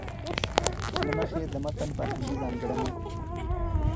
چې له مخې يې د متن فرهنګي ځانګړنې